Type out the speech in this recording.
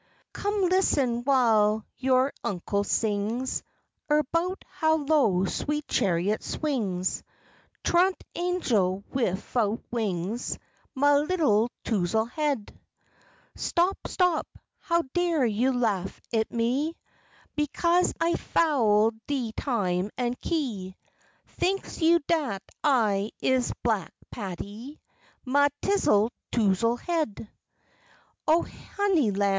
P._) Cum, listen w'ile yore Unkel sings Erbout how low sweet chariot swings, Truint Angel, wifout wings, Mah 'ittle Touzle Head. Stop! Stop! How dare you laff et me, Bekaze I foul de time an' key, Thinks you dat I is Black Pattie, Mah 'ittle Touzle Head? O, Honey Lam'!